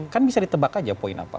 kan bisa ditebak aja poin apa